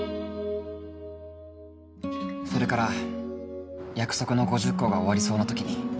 それから約束の５０個が終わりそうな時に。